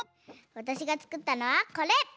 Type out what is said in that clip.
わたしがつくったのはこれ！